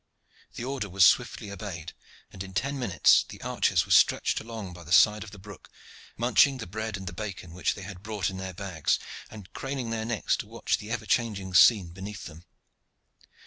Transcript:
The order was swiftly obeyed, and in ten minutes the archers were stretched along by the side of the brook, munching the bread and the bacon which they had brought in their bags, and craning their necks to watch the ever changing scene beneath them.